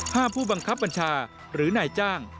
ผู้บังคับบัญชาหรือนายจ้าง